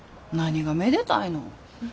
何がめでたいの。